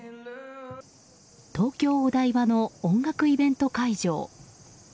東京・お台場の音楽イベント会場。